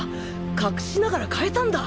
隠しながら変えたんだ！